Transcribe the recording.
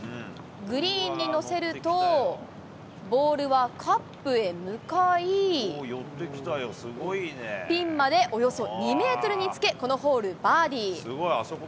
グリーンに乗せると、ボールはカップへ向かい、ピンまでおよそ２メートルにつけ、このホール、バーディー。